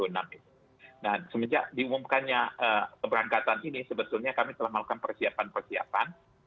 nah semenjak diumumkannya keberangkatan ini sebetulnya kami telah melakukan persiapan persiapan